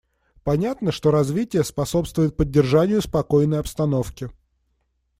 Понятно, что развитие способствует поддержанию спокойной обстановки.